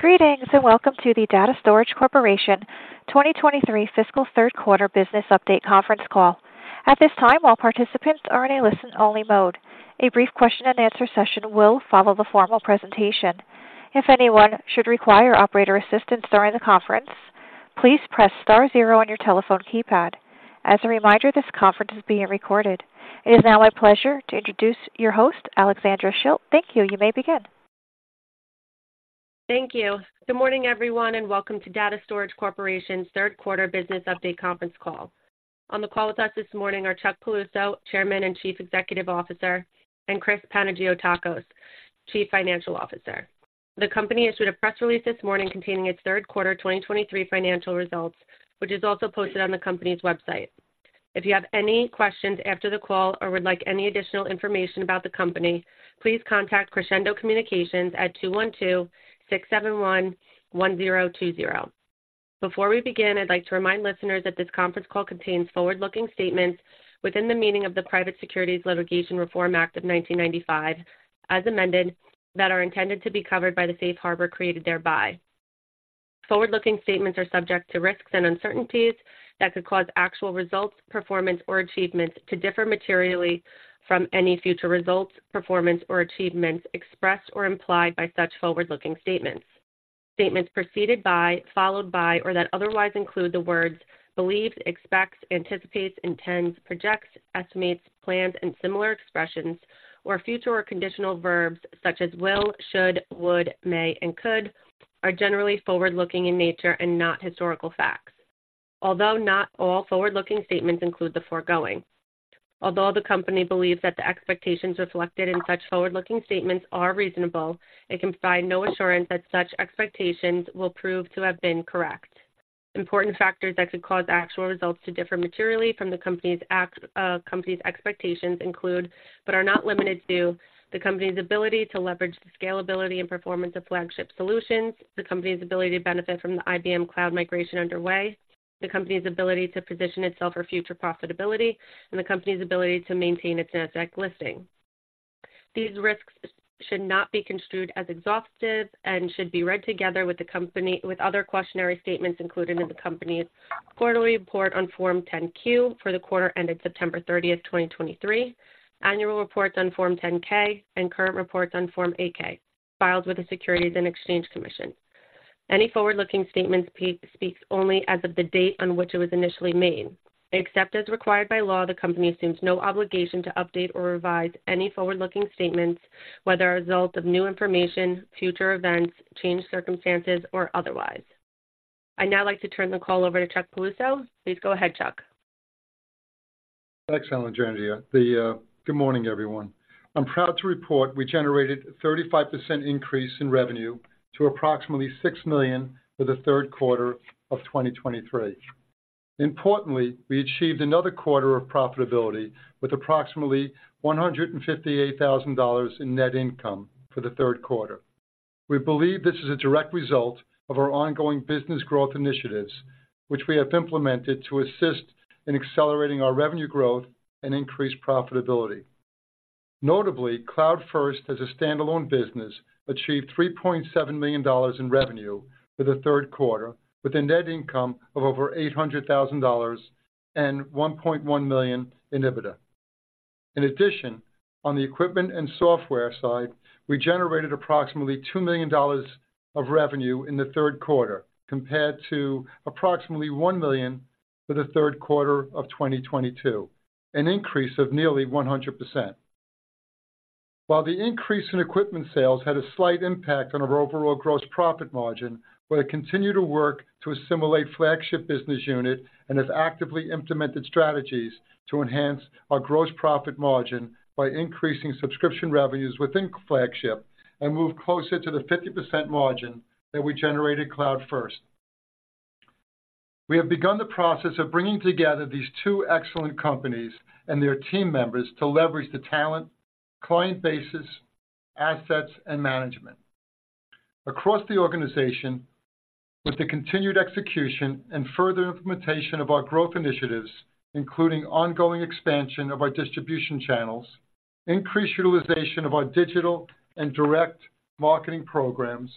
Greetings, and welcome to the Data Storage Corporation 2023 fiscal third quarter business update conference call. At this time, all participants are in a listen-only mode. A brief question and answer session will follow the formal presentation. If anyone should require operator assistance during the conference, please press star zero on your telephone keypad. As a reminder, this conference is being recorded. It is now my pleasure to introduce your host, Alexandra Schilt. Thank you. You may begin. Thank you. Good morning, everyone, and welcome to Data Storage Corporation's third quarter business update conference call. On the call with us this morning are Chuck Piluso, Chairman and Chief Executive Officer, and Chris Panagiotakos, Chief Financial Officer. The company issued a press release this morning containing its third quarter 2023 financial results, which is also posted on the company's website. If you have any questions after the call or would like any additional information about the company, please contact Crescendo Communications at 212-671-1020. Before we begin, I'd like to remind listeners that this conference call contains forward-looking statements within the meaning of the Private Securities Litigation Reform Act of 1995, as amended, that are intended to be covered by the safe harbor created thereby. Forward-looking statements are subject to risks and uncertainties that could cause actual results, performance, or achievements to differ materially from any future results, performance, or achievements expressed or implied by such forward-looking statements. Statements preceded by, followed by, or that otherwise include the words believes, expects, anticipates, intends, projects, estimates, plans, and similar expressions, or future or conditional verbs such as will, should, would, may, and could are generally forward-looking in nature and not historical facts, although not all forward-looking statements include the foregoing. Although the company believes that the expectations reflected in such forward-looking statements are reasonable, it can provide no assurance that such expectations will prove to have been correct. Important factors that could cause actual results to differ materially from the company's act, company's expectations include, but are not limited to, the company's ability to leverage the scalability and performance of Flagship Solutions, the company's ability to benefit from the IBM cloud migration underway, the company's ability to position itself for future profitability, and the company's ability to maintain its NASDAQ listing. These risks should not be construed as exhaustive and should be read together with other cautionary statements included in the company's quarterly report on Form 10-Q for the quarter ended September 30, 2023, annual reports on Form 10-K, and current reports on Form 8-K, filed with the Securities and Exchange Commission. Any forward-looking statements speak only as of the date on which it was initially made. Except as required by law, the Company assumes no obligation to update or revise any forward-looking statements, whether as a result of new information, future events, changed circumstances, or otherwise. I'd now like to turn the call over to Chuck Piluso. Please go ahead, Chuck. Thanks, Alexandra. Good morning, everyone. I'm proud to report we generated a 35% increase in revenue to approximately $6 million for the third quarter of 2023. Importantly, we achieved another quarter of profitability with approximately $158,000 in net income for the third quarter. We believe this is a direct result of our ongoing business growth initiatives, which we have implemented to assist in accelerating our revenue growth and increase profitability. Notably, CloudFirst, as a standalone business, achieved $3.7 million in revenue for the third quarter, with a net income of over $800,000 and $1.1 million in EBITDA. In addition, on the equipment and software side, we generated approximately $2 million of revenue in the third quarter, compared to approximately $1 million for the third quarter of 2022, an increase of nearly 100%. While the increase in equipment sales had a slight impact on our overall gross profit margin, we continue to work to assimilate Flagship business unit and have actively implemented strategies to enhance our gross profit margin by increasing subscription revenues within Flagship and move closer to the 50% margin that we generated CloudFirst. We have begun the process of bringing together these two excellent companies and their team members to leverage the talent, client bases, assets, and management. Across the organization, with the continued execution and further implementation of our growth initiatives, including ongoing expansion of our distribution channels, increased utilization of our digital and direct marketing programs,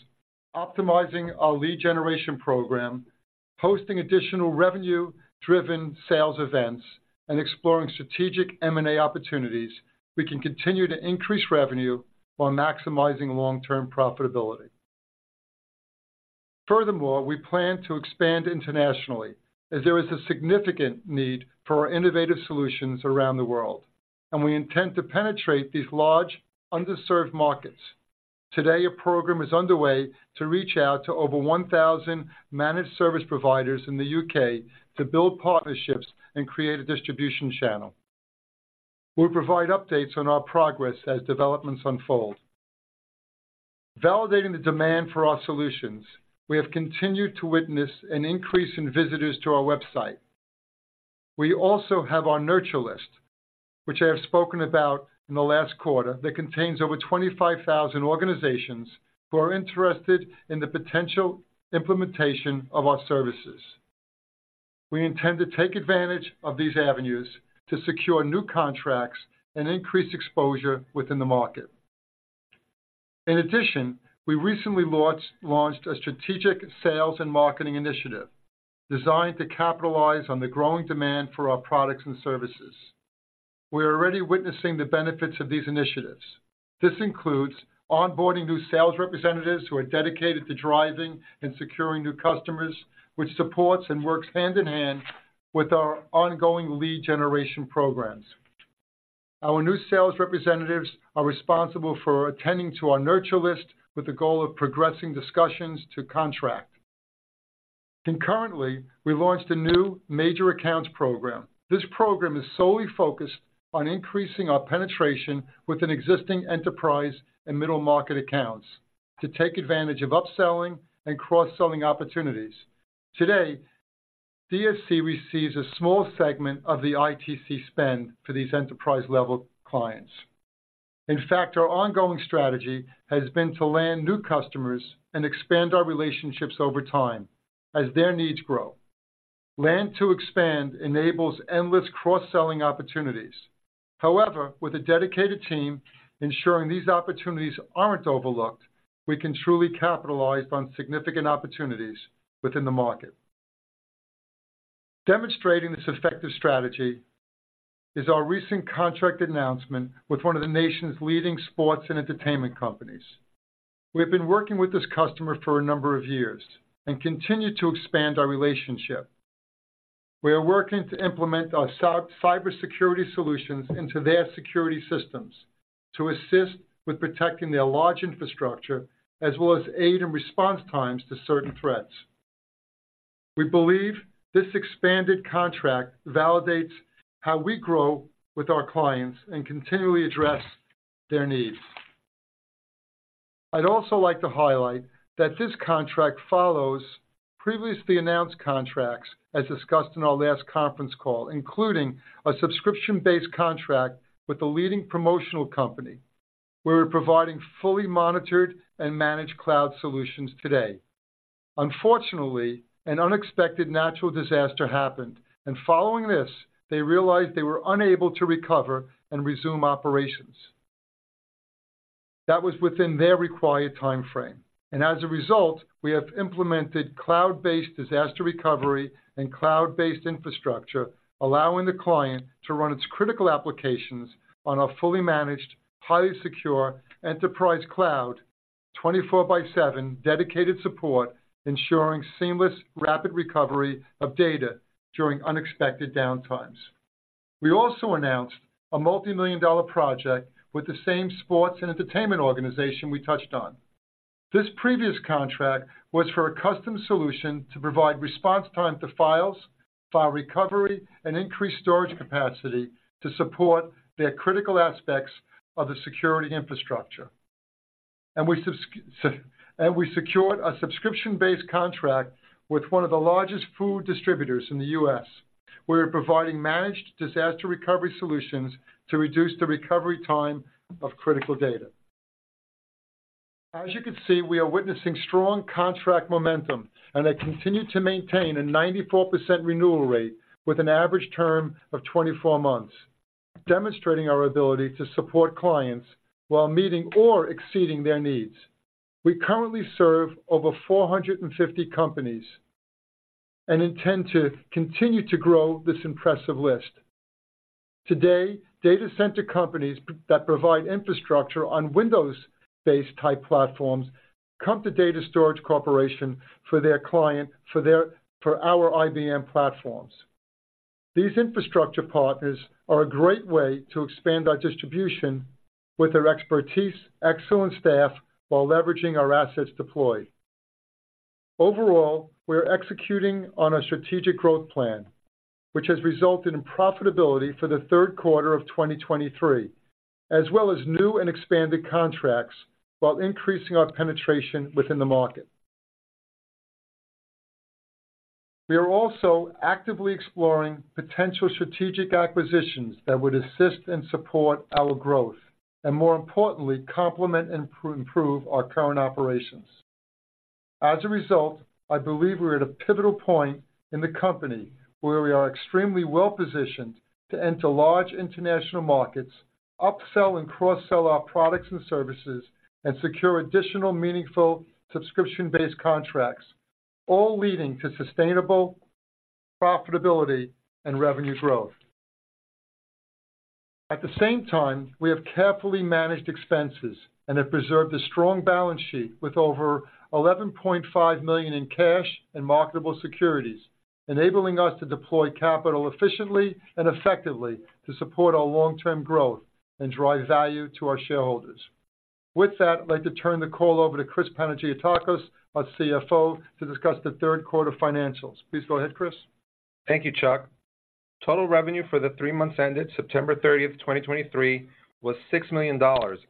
optimizing our lead generation program, hosting additional revenue-driven sales events, and exploring strategic M&A opportunities, we can continue to increase revenue while maximizing long-term profitability. Furthermore, we plan to expand internationally as there is a significant need for our innovative solutions around the world, and we intend to penetrate these large, underserved markets. Today, a program is underway to reach out to over 1,000 managed service providers in the U.K. to build partnerships and create a distribution channel. We'll provide updates on our progress as developments unfold. Validating the demand for our solutions, we have continued to witness an increase in visitors to our website. We also have our nurture list, which I have spoken about in the last quarter, that contains over 25,000 organizations who are interested in the potential implementation of our services. We intend to take advantage of these avenues to secure new contracts and increase exposure within the market. In addition, we recently launched a strategic sales and marketing initiative designed to capitalize on the growing demand for our products and services. We are already witnessing the benefits of these initiatives. This includes onboarding new sales representatives who are dedicated to driving and securing new customers, which supports and works hand-in-hand with our ongoing lead generation programs. Our new sales representatives are responsible for attending to our nurture list with the goal of progressing discussions to contract. Concurrently, we launched a new major accounts program. This program is solely focused on increasing our penetration with an existing enterprise and middle-market accounts to take advantage of upselling and cross-selling opportunities. Today, DSC receives a small segment of the ITC spend for these enterprise-level clients. In fact, our ongoing strategy has been to land new customers and expand our relationships over time as their needs grow. Land-to-expand enables endless cross-selling opportunities. However, with a dedicated team ensuring these opportunities aren't overlooked, we can truly capitalize on significant opportunities within the market. Demonstrating this effective strategy is our recent contract announcement with one of the nation's leading sports and entertainment companies. We've been working with this customer for a number of years and continue to expand our relationship. We are working to implement our cybersecurity solutions into their security systems to assist with protecting their large infrastructure, as well as aid and response times to certain threats. We believe this expanded contract validates how we grow with our clients and continually address their needs. I'd also like to highlight that this contract follows previously announced contracts, as discussed in our last conference call, including a subscription-based contract with a leading promotional company, where we're providing fully monitored and managed cloud solutions today. Unfortunately, an unexpected natural disaster happened, and following this, they realized they were unable to recover and resume operations. That was within their required timeframe. As a result, we have implemented cloud-based disaster recovery and cloud-based infrastructure, allowing the client to run its critical applications on a fully managed, highly secure enterprise cloud, 24 by 7 dedicated support, ensuring seamless, rapid recovery of data during unexpected downtimes. We also announced a multimillion-dollar project with the same sports and entertainment organization we touched on. This previous contract was for a custom solution to provide response time to files, file recovery, and increased storage capacity to support their critical aspects of the security infrastructure. We secured a subscription-based contract with one of the largest food distributors in the U.S. We are providing managed disaster recovery solutions to reduce the recovery time of critical data. As you can see, we are witnessing strong contract momentum, and I continue to maintain a 94% renewal rate with an average term of 24 months, demonstrating our ability to support clients while meeting or exceeding their needs. We currently serve over 450 companies and intend to continue to grow this impressive list. Today, data center companies that provide infrastructure on Windows-based type platforms come to Data Storage Corporation for our IBM platforms. These infrastructure partners are a great way to expand our distribution with their expertise, excellent staff, while leveraging our assets deployed. Overall, we are executing on a strategic growth plan, which has resulted in profitability for the third quarter of 2023, as well as new and expanded contracts while increasing our penetration within the market. We are also actively exploring potential strategic acquisitions that would assist and support our growth, and more importantly, complement and improve our current operations. As a result, I believe we're at a pivotal point in the company where we are extremely well-positioned to enter large international markets, upsell and cross-sell our products and services, and secure additional meaningful subscription-based contracts, all leading to sustainable profitability and revenue growth. At the same time, we have carefully managed expenses and have preserved a strong balance sheet with over $11.5 million in cash and marketable securities, enabling us to deploy capital efficiently and effectively to support our long-term growth and drive value to our shareholders. With that, I'd like to turn the call over to Chris Panagiotakos, our CFO, to discuss the third quarter financials. Please go ahead, Chris. Thank you, Chuck. Total revenue for the three months ended September 30, 2023, was $6 million,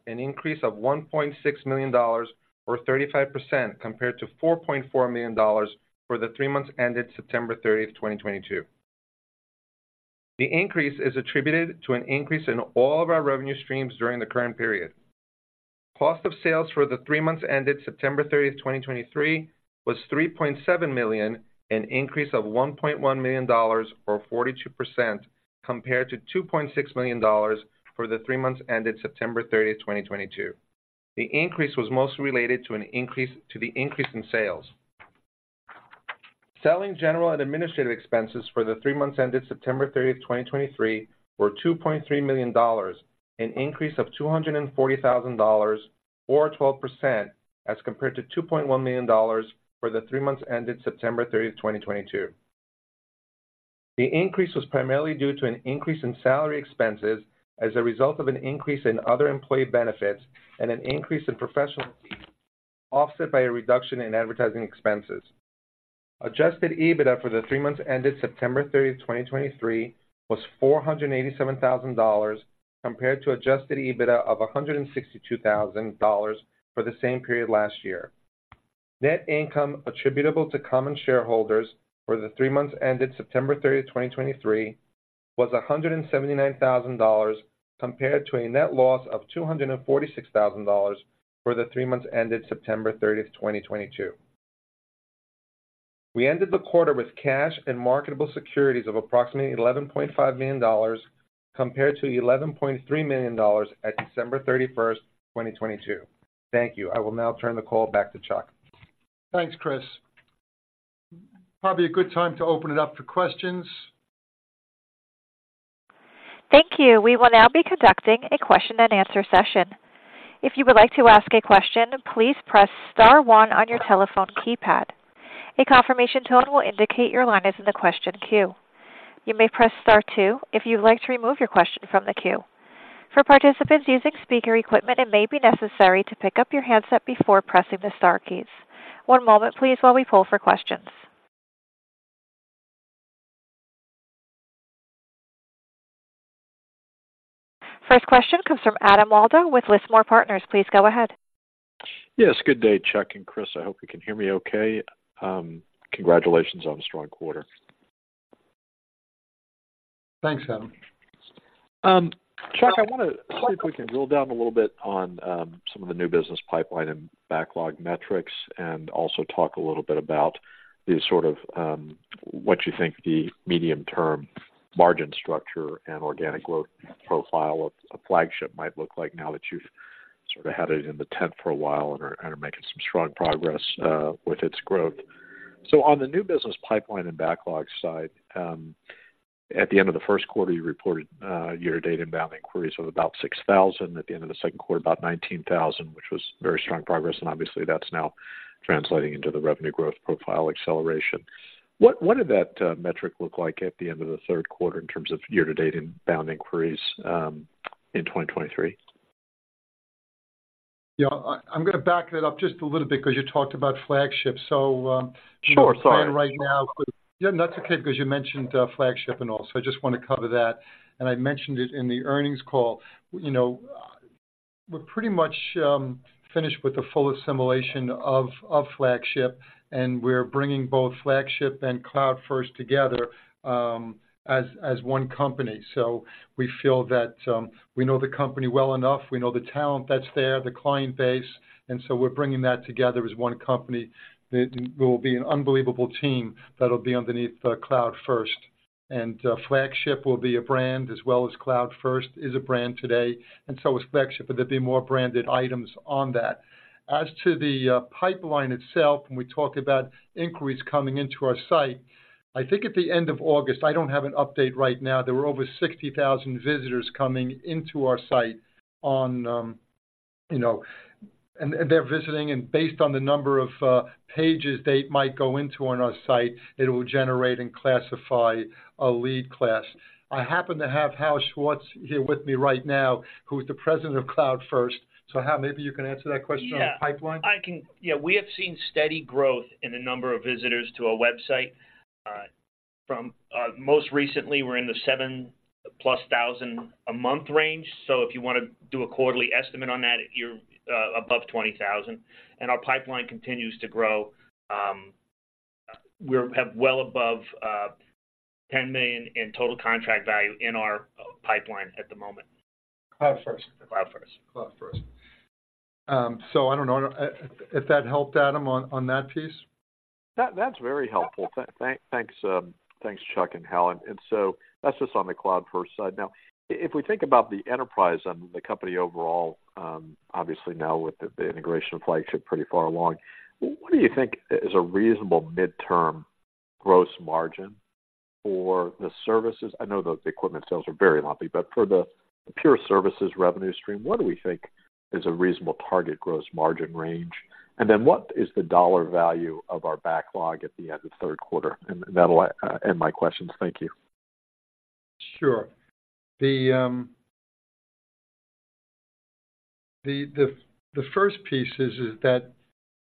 an increase of $1.6 million or 35% compared to $4.4 million for the three months ended September 30, 2022. The increase is attributed to an increase in all of our revenue streams during the current period. Cost of sales for the three months ended September 30, 2023, was $3.7 million, an increase of $1.1 million or 42% compared to $2.6 million for the three months ended September 30, 2022. The increase was mostly related to the increase in sales. Selling general and administrative expenses for the three months ended September 30th, 2023, were $2.3 million, an increase of $240 thousand or 12%, as compared to $2.1 million for the three months ended September 30th, 2022. The increase was primarily due to an increase in salary expenses as a result of an increase in other employee benefits and an increase in professional fees, offset by a reduction in advertising expenses. Adjusted EBITDA for the three months ended September 30th, 2023, was $487,000, compared to adjusted EBITDA of $162,000 for the same period last year. Net income attributable to common shareholders for the three months ended September 30th, 2023, was $179,000, compared to a net loss of $246,000 for the three months ended September 30th, 2022. We ended the quarter with cash and marketable securities of approximately $11.5 million, compared to $11.3 million at December 31st, 2022. Thank you. I will now turn the call back to Chuck. Thanks, Chris. Probably a good time to open it up for questions. Thank you. We will now be conducting a question-and-answer session. If you would like to ask a question, please press star one on your telephone keypad. A confirmation tone will indicate your line is in the question queue. You may press star two if you'd like to remove your question from the queue. For participants using speaker equipment, it may be necessary to pick up your handset before pressing the star keys. One moment please, while we poll for questions. First question comes from Adam Waldo with Lismore Partners. Please go ahead. Yes, good day, Chuck and Chris. I hope you can hear me okay. Congratulations on a strong quarter. Thanks, Adam. Chuck, I want to see if we can drill down a little bit on some of the new business pipeline and backlog metrics, and also talk a little bit about the sort of what you think the medium-term margin structure and organic growth profile of Flagship might look like now that you've sort of had it in the tent for a while and are making some strong progress with its growth. So on the new business pipeline and backlog side, at the end of the first quarter, you reported year-to-date inbound inquiries of about 6,000. At the end of the second quarter, about 19,000, which was very strong progress, and obviously that's now translating into the revenue growth profile acceleration. What, what did that metric look like at the end of the third quarter in terms of year-to-date inbound inquiries in 2023? Yeah, I'm going to back it up just a little bit because you talked about Flagship. So, Sure, sorry. Right now. Yeah, that's okay, because you mentioned Flagship and all. So I just want to cover that, and I mentioned it in the earnings call. You know, we're pretty much finished with the full assimilation of Flagship, and we're bringing both Flagship and CloudFirst together as one company. So we feel that we know the company well enough, we know the talent that's there, the client base, and so we're bringing that together as one company. That will be an unbelievable team that'll be underneath CloudFirst. And Flagship will be a brand as well as CloudFirst is a brand today, and so is Flagship, but there'll be more branded items on that. As to the pipeline itself, when we talk about inquiries coming into our site, I think at the end of August, I don't have an update right now, there were over 60,000 visitors coming into our site on, you know, and they're visiting, and based on the number of pages they might go into on our site, it will generate and classify a lead class. I happen to have Hal Schwartz here with me right now, who's the President of CloudFirst. So Hal, maybe you can answer that question on the pipeline. Yeah, I can. Yeah, we have seen steady growth in the number of visitors to our website. From most recently, we're in the 7,000+ a month range. So if you want to do a quarterly estimate on that, you're above 20,000, and our pipeline continues to grow. We have well above $10 million in total contract value in our pipeline at the moment. CloudFirst. CloudFirst. CloudFirst. So I don't know if that helped, Adam, on, on that piece? That, that's very helpful. Thanks, Chuck and Hal. So that's just on the CloudFirst side. Now, if we think about the enterprise and the company overall, obviously now with the integration of Flagship pretty far along, what do you think is a reasonable midterm gross margin for the services? I know the equipment sales are very lumpy, but for the pure services revenue stream, what do we think is a reasonable target gross margin range? And then what is the dollar value of our backlog at the end of the third quarter? And that'll end my questions. Thank you. Sure. The first piece is that,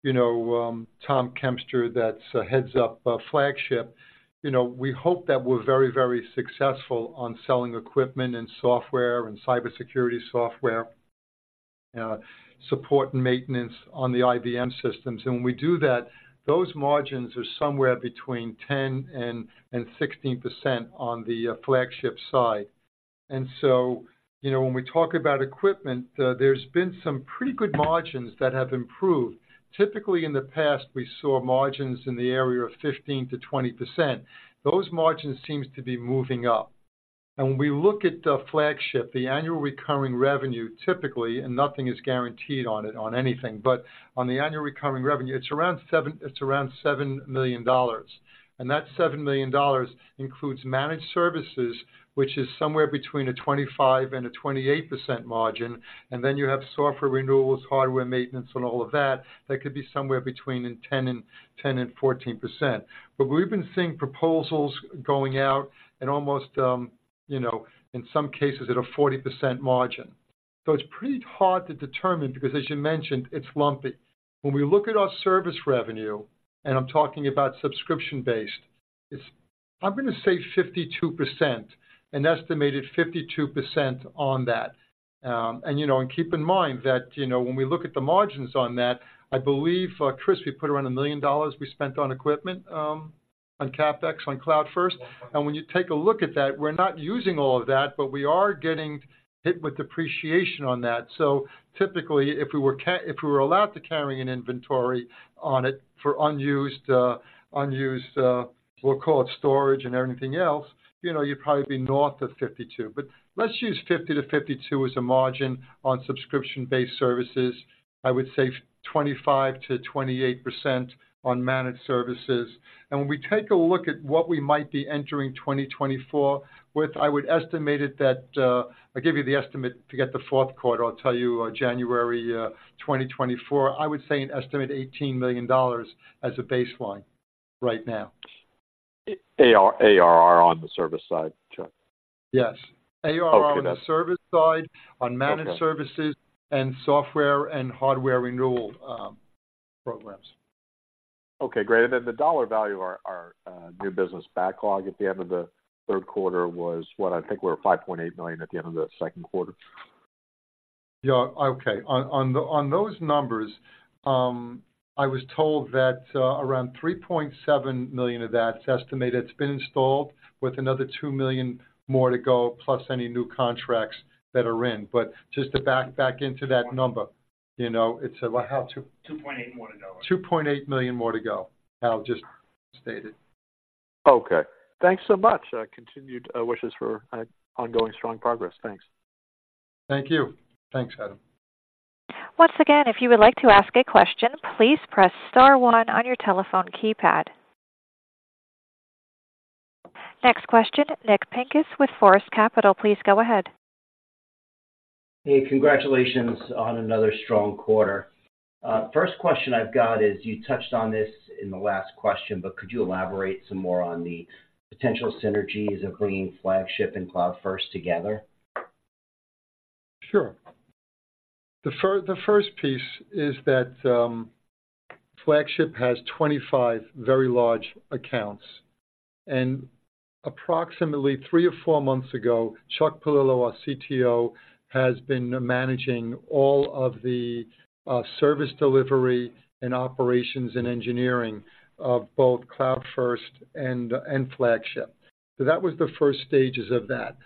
you know, Tom Kempster, that's heads up Flagship, you know, we hope that we're very, very successful on selling equipment and software and cybersecurity software support and maintenance on the IBM systems. And when we do that, those margins are somewhere between 10% and 16% on the Flagship side. And so, you know, when we talk about equipment, there's been some pretty good margins that have improved. Typically, in the past, we saw margins in the area of 15%-20%. Those margins seems to be moving up. And when we look at Flagship, the annual recurring revenue, typically, and nothing is guaranteed on it, on anything, but on the annual recurring revenue, it's around seven—it's around $7 million. That $7 million includes managed services, which is somewhere between a 25% and 28% margin. Then you have software renewals, hardware maintenance, and all of that, that could be somewhere between 10% and 14%. But we've been seeing proposals going out and almost, you know, in some cases at a 40% margin. So it's pretty hard to determine because as you mentioned, it's lumpy. When we look at our service revenue, and I'm talking about subscription-based, it's I'm gonna say 52%, an estimated 52% on that. And, you know, and keep in mind that, you know, when we look at the margins on that, I believe, Chris, we put around $1 million we spent on equipment, on CapEx, on CloudFirst. When you take a look at that, we're not using all of that, but we are getting hit with depreciation on that. So typically, if we were allowed to carry an inventory on it for unused, unused, we'll call it storage and everything else, you know, you'd probably be north of 52. But let's use 50-52 as a margin on subscription-based services. I would say 25%-28% on managed services. When we take a look at what we might be entering 2024 with, I would estimate it that, I'll give you the estimate to get the fourth quarter. I'll tell you, January 2024, I would say an estimated $18 million as a baseline right now. ARR on the service side, Chuck? Yes. Okay. ARR on the service side, on- Okay... managed services and software and hardware renewal, programs. Okay, great. And then the dollar value of our new business backlog at the end of the third quarter was what? I think we were at $5.8 million at the end of the second quarter. Yeah. Okay. On those numbers, I was told that around $3.7 million of that's estimated. It's been installed with another $2 million more to go, plus any new contracts that are in. But just to back into that number, you know, it's about $2.8 million more to go, Hal just stated. Okay. Thanks so much. Continued wishes for ongoing strong progress. Thanks. Thank you. Thanks, Adam. Once again, if you would like to ask a question, please press star one on your telephone keypad. Next question, Nick Pincus with Forest Capital. Please go ahead. Hey, congratulations on another strong quarter. First question I've got is, you touched on this in the last question, but could you elaborate some more on the potential synergies of bringing Flagship and CloudFirst together? Sure. The first piece is that Flagship has 25 very large accounts, and approximately three or four months ago, Chris Piluso, our CTO, has been managing all of the service delivery and operations and engineering of both CloudFirst and Flagship. So that was the first stages of that.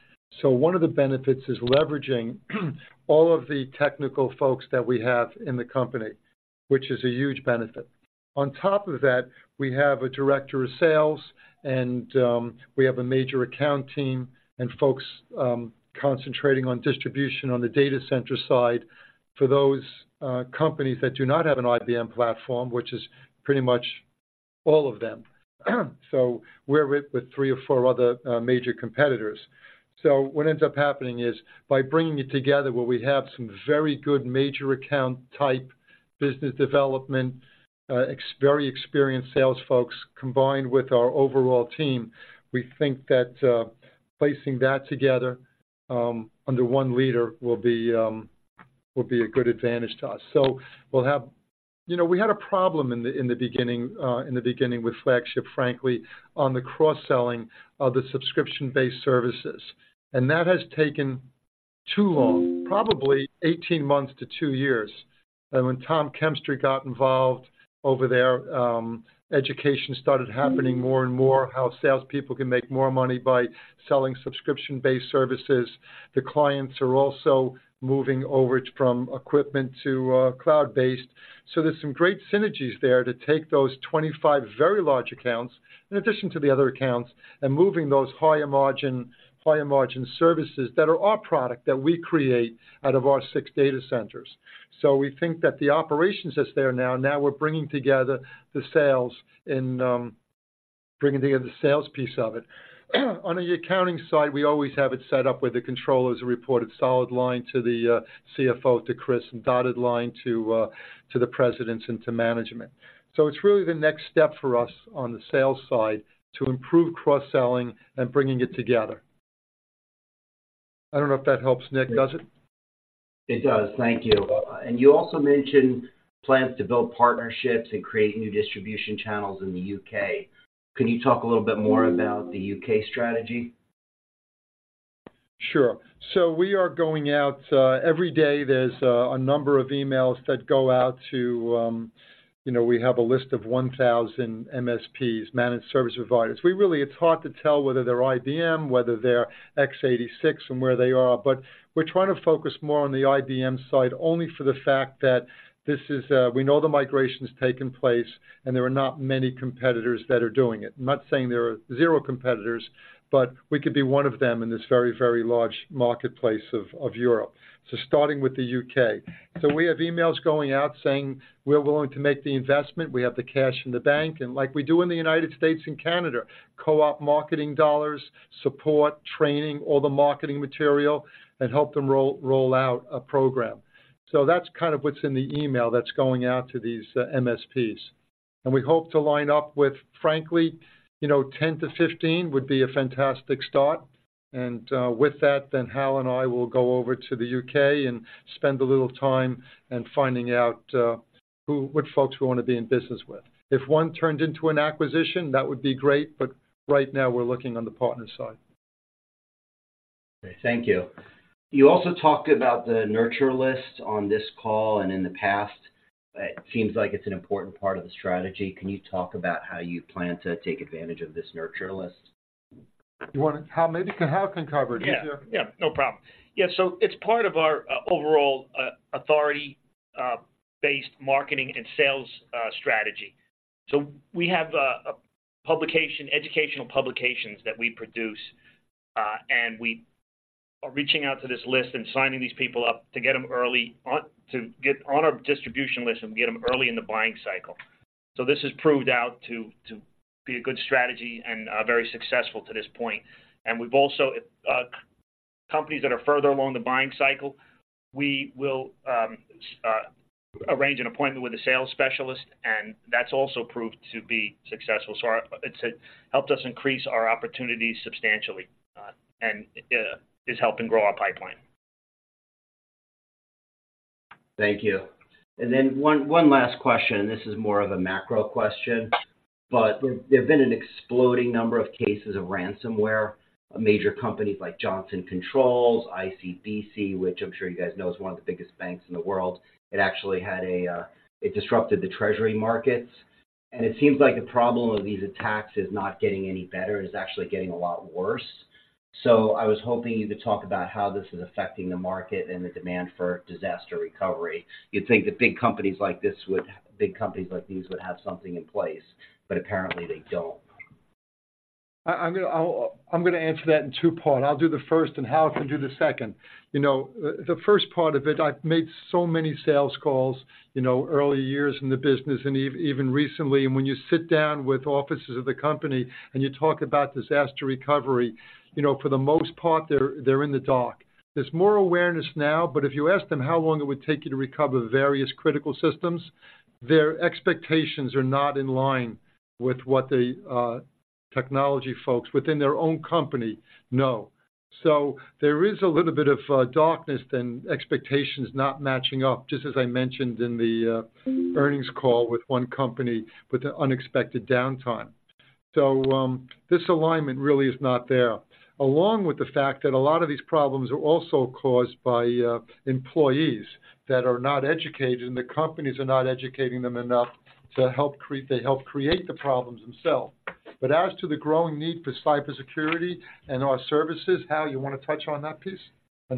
So one of the benefits is leveraging all of the technical folks that we have in the company, which is a huge benefit. On top of that, we have a director of sales, and we have a major account team and folks concentrating on distribution on the data center side for those companies that do not have an IBM platform, which is pretty much all of them. So we're with three or four other major competitors. So what ends up happening is, by bringing it together, where we have some very good major account-type business development, extremely experienced sales folks, combined with our overall team, we think that, placing that together, under one leader will be, will be a good advantage to us. So we'll have... You know, we had a problem in the, in the beginning, in the beginning with Flagship, frankly, on the cross-selling of the subscription-based services, and that has taken too long, probably 18 months to two years. And when Tom Kempster got involved over there, education started happening more and more, how salespeople can make more money by selling subscription-based services. The clients are also moving over from equipment to, cloud-based. So there's some great synergies there to take those 25 very large accounts, in addition to the other accounts, and moving those higher margin, higher margin services that are our product, that we create out of our six data centers. So we think that the operations is there now, now we're bringing together the sales and bringing together the sales piece of it. On the accounting side, we always have it set up where the controllers are reported solid line to the CFO, to Chris, and dotted line to the presidents and to management. So it's really the next step for us on the sales side to improve cross-selling and bringing it together. I don't know if that helps, Nick. Does it? It does. Thank you. And you also mentioned plans to build partnerships and create new distribution channels in the U.K. Can you talk a little bit more about the U.K. strategy?... Sure. So we are going out, every day, there's a number of emails that go out to, you know, we have a list of 1,000 MSPs, managed service providers. We really. It's hard to tell whether they're IBM, whether they're x86, and where they are, but we're trying to focus more on the IBM side, only for the fact that this is, we know the migration's taking place, and there are not many competitors that are doing it. I'm not saying there are zero competitors, but we could be one of them in this very, very large marketplace of Europe. So starting with the U.K. So we have emails going out saying, "We're willing to make the investment. We have the cash in the bank," and like we do in the United States and Canada, co-op marketing dollars, support, training, all the marketing material, and help them roll out a program. So that's kind of what's in the email that's going out to these MSPs. And we hope to line up with frankly, you know, 10-15 would be a fantastic start, and with that, then Hal and I will go over to the U.K. and spend a little time in finding out what folks we wanna be in business with. If one turned into an acquisition, that would be great, but right now we're looking on the partner side. Okay, thank you. You also talked about the nurture list on this call and in the past. It seems like it's an important part of the strategy. Can you talk about how you plan to take advantage of this nurture list? You wanna... Hal, maybe, Hal can cover it. He's the- Yeah. Yeah, no problem. Yeah, so it's part of our overall authority based marketing and sales strategy. So we have a publication, educational publications that we produce, and we are reaching out to this list and signing these people up to get them early on-- to get on our distribution list and get them early in the buying cycle. So this has proved out to be a good strategy and very successful to this point. And we've also companies that are further along the buying cycle, we will arrange an appointment with a sales specialist, and that's also proved to be successful. So our-- It's helped us increase our opportunities substantially, and is helping grow our pipeline. Thank you. And then one, one last question, and this is more of a macro question, but there, there's been an exploding number of cases of ransomware, major companies like Johnson Controls, ICBC, which I'm sure you guys know, is one of the biggest banks in the world. It actually had a, it disrupted the treasury markets. And it seems like the problem of these attacks is not getting any better, it's actually getting a lot worse. So I was hoping you could talk about how this is affecting the market and the demand for disaster recovery. You'd think that big companies like this would-- big companies like these would have something in place, but apparently, they don't. I'm gonna answer that in two parts. I'll do the first, and Hal can do the second. You know, the first part of it, I've made so many sales calls, you know, early years in the business and even recently, and when you sit down with officers of the company and you talk about disaster recovery, you know, for the most part, they're in the dark. There's more awareness now, but if you ask them how long it would take you to recover various critical systems, their expectations are not in line with what the technology folks within their own company know. So there is a little bit of darkness and expectations not matching up, just as I mentioned in the earnings call with one company with an unexpected downtime. So, this alignment really is not there, along with the fact that a lot of these problems are also caused by employees that are not educated, and the companies are not educating them enough. They help create the problems themselves. But as to the growing need for cybersecurity and our services, Hal, you wanna touch on that piece?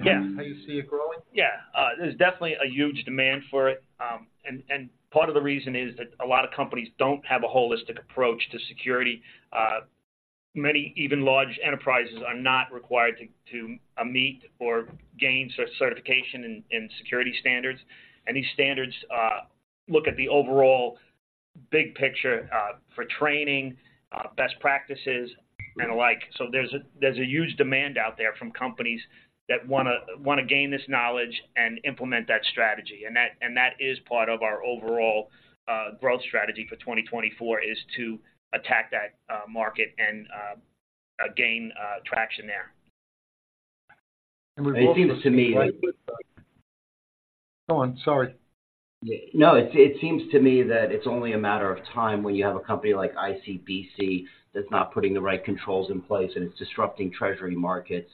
Yeah. How you see it growing? Yeah. There's definitely a huge demand for it, and part of the reason is that a lot of companies don't have a holistic approach to security. Many, even large enterprises, are not required to meet or gain certification in security standards. And these standards look at the overall big picture for training, best practices, and the like. So there's a huge demand out there from companies that wanna gain this knowledge and implement that strategy. And that is part of our overall growth strategy for 2024, is to attack that market and gain traction there. And we've also- It seems to me like- Go on, sorry. No, it seems to me that it's only a matter of time when you have a company like ICBC that's not putting the right controls in place, and it's disrupting treasury markets.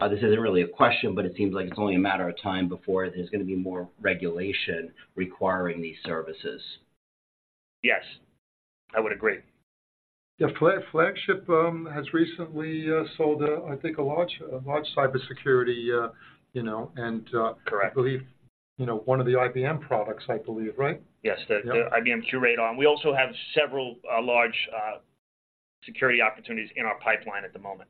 This isn't really a question, but it seems like it's only a matter of time before there's gonna be more regulation requiring these services. Yes, I would agree. Yeah. Flagship has recently sold, I think, a large cybersecurity, you know, and- Correct... I believe, you know, one of the IBM products, I believe, right? Yes- Yeah... the IBM QRadar. We also have several large security opportunities in our pipeline at the moment.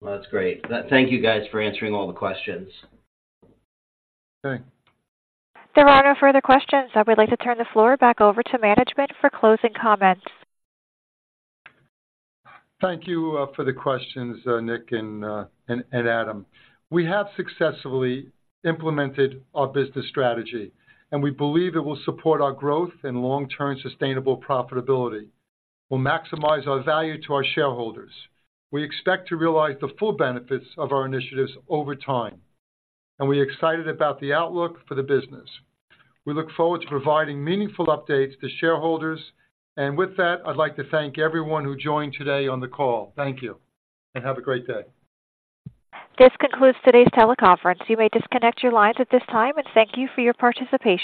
Well, that's great. Thank you, guys, for answering all the questions. Okay. There are no further questions. I would like to turn the floor back over to management for closing comments. Thank you, for the questions, Nick and Adam. We have successfully implemented our business strategy, and we believe it will support our growth and long-term sustainable profitability, will maximize our value to our shareholders. We expect to realize the full benefits of our initiatives over time, and we're excited about the outlook for the business. We look forward to providing meaningful updates to shareholders. With that, I'd like to thank everyone who joined today on the call. Thank you, and have a great day. This concludes today's teleconference. You may disconnect your lines at this time, and thank you for your participation.